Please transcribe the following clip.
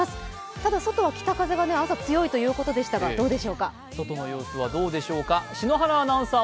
ただ、外は北風が朝強いということですが、どうでしょうか。